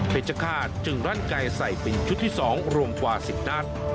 ชคาตจึงรั่นไก่ใส่ปืนชุดที่๒รวมกว่า๑๐นัด